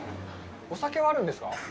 お酒はあるんですか？